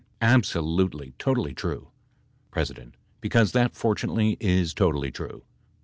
84 D. Absolutely ! Totally true ! P. Because that, fortunately, is totally true.